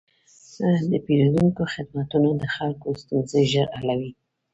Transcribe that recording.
د پېرودونکو خدمتونه د خلکو ستونزې ژر حلوي.